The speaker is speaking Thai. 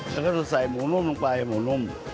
แล้วก็จะใส่หมูนุ่มลงไปหมูนุ่ม